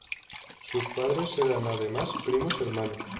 Sus padres eran además primos hermanos.